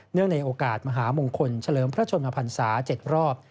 เนื่องในโอกาสมหาบงคลเฉลิมพระชมพรรษาเจ็ดรอบ